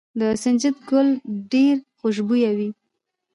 د سنجد ګل ډیر خوشبويه وي.